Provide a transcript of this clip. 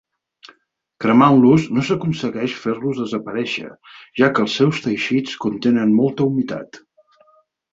Cremant-los no s'aconsegueix fer-los desaparèixer, ja que els seus teixits contenen molta humitat.